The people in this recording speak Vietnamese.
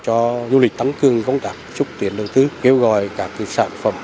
cho du lịch tăng cương công tác chúc tiền đầu tư kêu gọi các sản phẩm